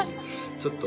ちょっと。